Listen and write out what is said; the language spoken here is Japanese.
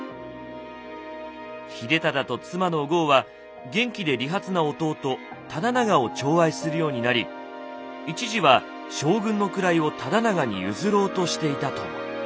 秀忠と妻のお江は元気で利発な弟忠長をちょう愛するようになり一時は将軍の位を忠長に譲ろうとしていたとも。